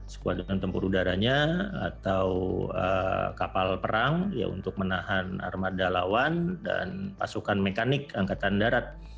skuadron tempur udaranya atau kapal perang ya untuk menahan armada lawan dan pasukan mekanik angkatan darat